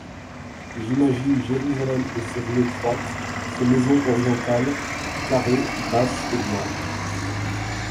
J'imagine Jérusalem et ses rues étroites, ses maisons orientales, carrées, basses et blanches.